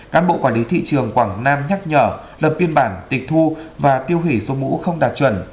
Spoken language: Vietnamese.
cán bộ quản lý thị trường quảng nam nhắc nhở lập biên bản tịch thu và tiêu hủy số mũ không đạt chuẩn